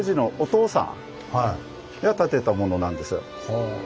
うん。